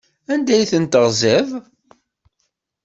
Anda ay tent-teɣziḍ?